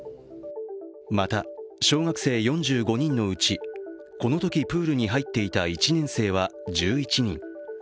また、小学生４５人のうち、このときプールに入っていた１年生は１１人。